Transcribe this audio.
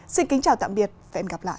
xin kính chào tạm biệt và hẹn gặp lại